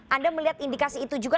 anda melihat indikasi itu juga